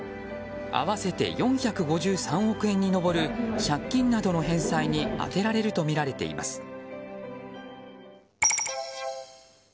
合わせて４５３億円に上る借金などの返済に充てられるとみられています。